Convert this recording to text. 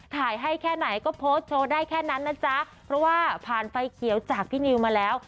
ถ่ายให้แค่ไหนก็โพสต์โชว์ได้แค่นั้นนะจ๊ะเพราะว่าผ่านไฟเขียวจากพี่นิวมาแล้ว